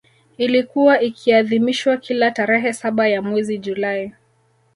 Ilikuwa ikiadhimishwa kila tarehe saba ya mwezi julai